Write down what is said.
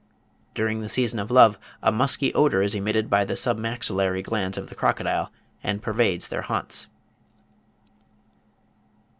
During the season of love, a musky odour is emitted by the submaxillary glands of the crocodile, and pervades their haunts.